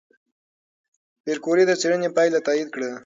پېیر کوري د څېړنې پایله تایید کړه.